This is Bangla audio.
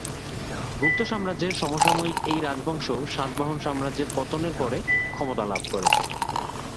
গুপ্ত সাম্রাজ্যের সমসাময়িক এই রাজবংশ সাতবাহন সাম্রাজ্যের পতনের পরে ক্ষমতা লাভ করে।